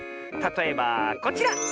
たとえばこちら！